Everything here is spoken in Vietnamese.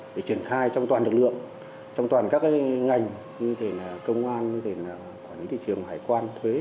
để triển khai trong toàn lực lượng trong toàn các ngành như công an như quản lý thị trường hải quan thuế